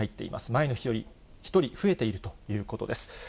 前の日より１人増えているということです。